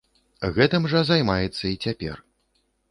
Гэтым жа займаецца і цяпер.